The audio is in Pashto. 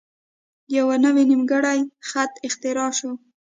یوه نوی نیمګړی خط اختراع شو.